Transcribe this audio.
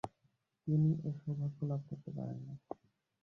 তিনি এ সৌভাগ্য লাভ করতে পারেননি।